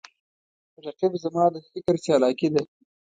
رقیب زما د فکر چالاکي ده